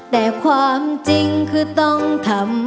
แต่ความจริงคือต้องทำ